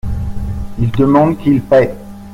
Il demande qu’il paye.